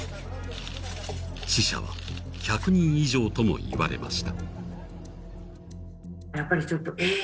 死者は１００人以上とも言われました